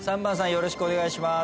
よろしくお願いします。